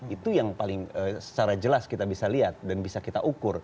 itu yang paling secara jelas kita bisa lihat dan bisa kita ukur